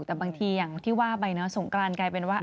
แต่บางทีอย่างที่ว่าไปเนอะสงกรานกลายเป็นว่า